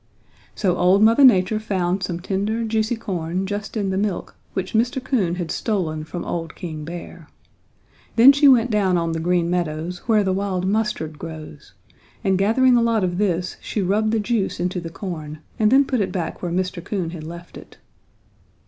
"So old Mother Nature found some tender, juicy corn just in the milk which Mr. Coon had stolen from old King Bear. Then she went down on the Green Meadows where the wild mustard grows and gathering a lot of this she rubbed the juice into the corn and then put it back where Mr. Coon had left it.